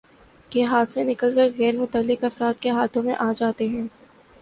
کے ہاتھ سے نکل کر غیر متعلق افراد کے ہاتھوں میں آجاتے ہیں